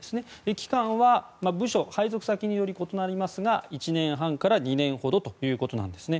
期間は部署、配属先により異なりますが１年半から２年ほどということなんですね。